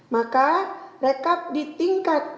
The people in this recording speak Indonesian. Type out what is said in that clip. maka rekap di tingkat